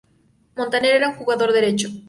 Montaner era un jugador derecho.